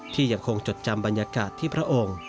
ที่ยังคงจดจำบรรยากาศที่พระองค์